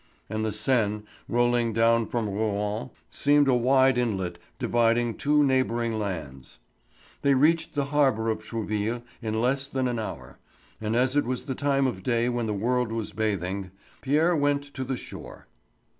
And the Seine, rolling down from Rouen, seemed a wide inlet dividing two neighbouring lands. They reached the harbour of Trouville in less than an hour, and as it was the time of day when the world was bathing, Pierre went to the shore.